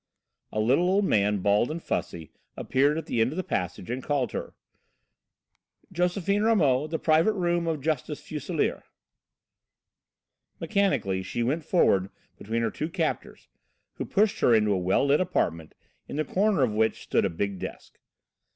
A little old man, bald and fussy, appeared at the end of the passage and called her. "Josephine Ramot, the private room of Justice Fuselier." Mechanically she went forward between her two captors, who pushed her into a well lit apartment, in the corner of which stood a big desk.